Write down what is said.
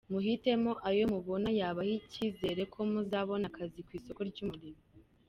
Muhitemo ayo mubona yabaha icyizere ko muzabona akazi ku isoko ry’umurimo.